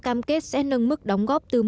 cam kết sẽ nâng mức đóng góp từ